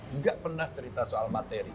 nggak pernah cerita soal materi